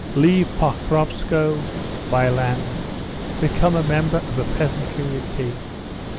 Leave Pokrovskoe? Buy land? Become a member of a peasant community?